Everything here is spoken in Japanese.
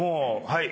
はい。